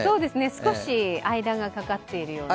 少し間がかかっているような。